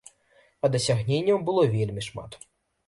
А дасягненняў было вельмі шмат.